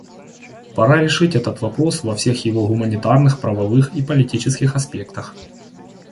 Пора решить этот вопрос во всех его гуманитарных, правовых и политических аспектах.